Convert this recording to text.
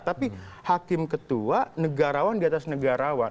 tapi hakim ketua negarawan diatas negarawan